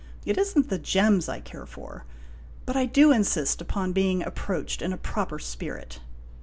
It is n't the gems I care for ; but I do insist upon being approached in a proper spirit.